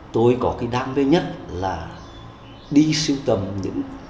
tôi có cái đáng vui nhất là đi sưu tầm những